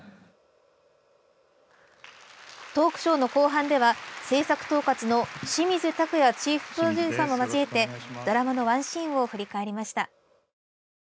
トークショーの後半では制作統括の清水拓哉チーフプロデューサーも交えてドラマのワンシーンを振り返りました。